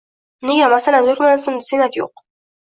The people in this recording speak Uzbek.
Nega, masalan, Turkmanistonda Senat yo'q?